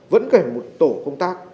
vẫn cả một tổ công tác